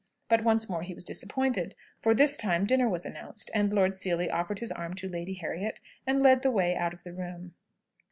But once more he was disappointed; for, this time, dinner was announced, and Lord Seely offered his arm to Lady Harriet and led the way out of the room.